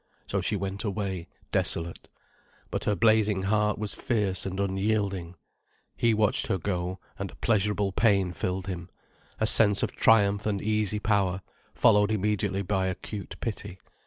So she went away, desolate. But her blazing heart was fierce and unyielding. He watched her go, and a pleasurable pain filled him, a sense of triumph and easy power, followed immediately by acute pity.